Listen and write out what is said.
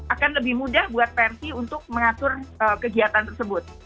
akan lebih mudah buat versi untuk mengatur kegiatan tersebut